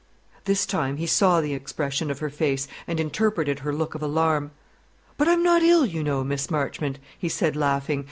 This time he saw the expression of her face, and interpreted her look of alarm. "But I'm not ill, you know, Miss Marchmont," he said, laughing.